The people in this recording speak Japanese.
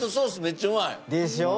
めっちゃうまい。でしょ？